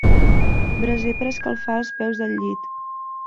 Braser per escalfar els peus del llit.